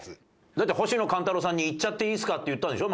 だって星野勘太郎さんに「いっちゃっていいですか」って言ったんでしょ？